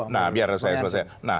nah biar saya selesaikan